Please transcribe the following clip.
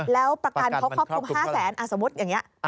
แล้วประกันเขาครอบคลุม๕แสนสมมุติอย่างนี้